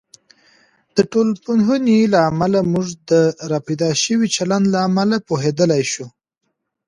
د ټولنپوهنې له امله، موږ د راپیدا شوي چلند له امله پوهیدلی شو.